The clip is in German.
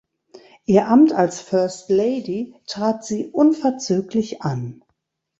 Ihr Amt als First Lady trat sie unverzüglich an.